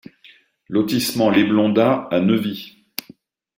Lotissement Les Blondats à Neuvy